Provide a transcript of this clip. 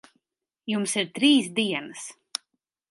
Jums ir trīs dienas.